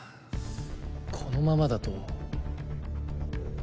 このままだと。